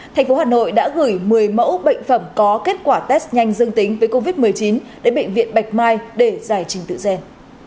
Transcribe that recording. thành phố hà nội đã gửi một mươi mẫu bệnh phẩm có kết quả test nhanh dương tính với covid một mươi chín đến bệnh viện bạch mai để giải trình tự gen